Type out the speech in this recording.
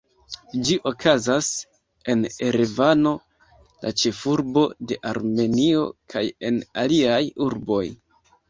Ĝi okazas en Erevano, la ĉefurbo de Armenio, kaj en aliaj urboj.